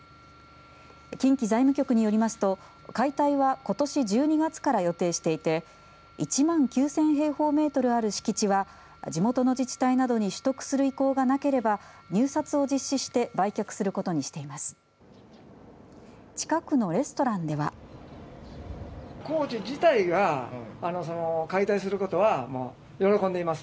近畿財務局によりますと解体は、ことし１２月から予定していて１万９０００平方メートルある敷地は地元の自治体などに取得する意向がなければ入札を実施して売却することにしています。